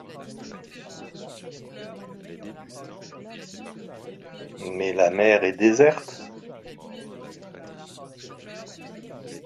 Mais la mer est déserte!